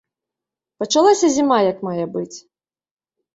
Пачалася зіма як мае быць.